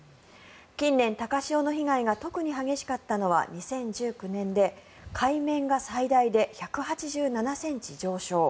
近年、高潮の被害が特に激しかったのは２０１９年で海面が最大で１８７ｃｍ上昇。